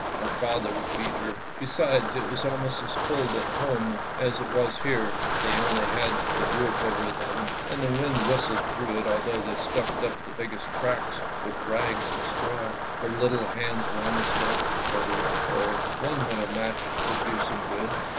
Her father would beat her, besides it was almost as cold at home as it was here. They only had the roof over them and the wind whistled through it although they stuffed up the biggest cracks with rags and straw. Her little hands were almost dead with cold. Oh, one little match would do some good